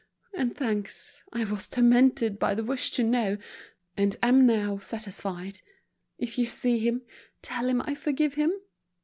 And thanks, I was tormented by the wish to know, and am now satisfied. If you see him, tell him I forgive him.